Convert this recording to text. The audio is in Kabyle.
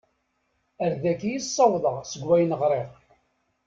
Ar dagi i ssawḍeɣ seg wayen ɣriɣ.